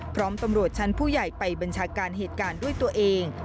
พร้อมตำรวจชั้นผู้ใหญ่ไปบัญชาการเหตุการณ์ด้วยตัวเอง